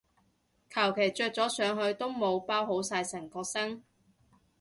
求其着咗上去都冇包好晒成個身